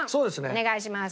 お願いします。